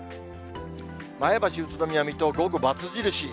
前橋、宇都宮、水戸、午後ばつ印。